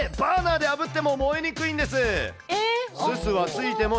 こんな感じで、バーナーであぶっても燃えにくいんです。